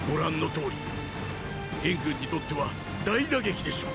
燕軍にとっては大打撃でしょう。